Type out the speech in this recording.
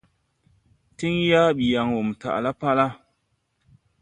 Tin yaa ɓi yaŋ mo taʼ la pala.